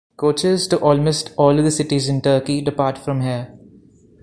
Coaches to almost all of the cities in Turkey depart from here.